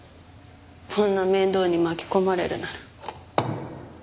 こんな面倒に巻き込まれるなら。